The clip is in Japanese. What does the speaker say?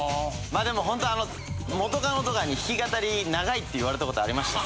まあでもホント元カノとかに弾き語り長いって言われたことありました。